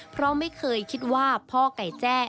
เพราะไม่เคยคิดว่าพ่อไก่แจ้